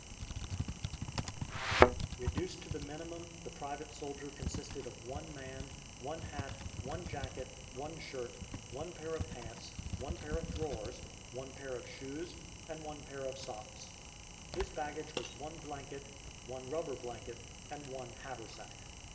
Reduced to the minimum, the private soldier consisted of one man, one hat, one jacket, one shirt, one pair of pants, one pair of drawers, one pair of shoes, and one pair of socks. His baggage was one blanket, one rubber blanket, and one haversack.